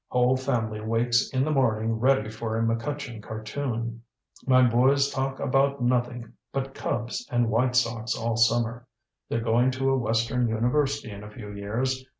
Whole family wakes in the morning ready for a McCutcheon cartoon. My boys talk about nothing but Cubs and White Sox all summer. They're going to a western university in a few years.